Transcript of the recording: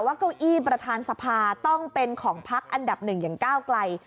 เก้าอี้ประธานสภาต้องเป็นของพักอันดับหนึ่งอย่างก้าวไกล